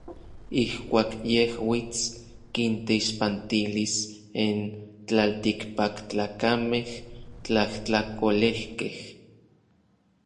Ijkuak yej uits, kinteixpantilis n tlaltikpaktlakamej tlajtlakolejkej.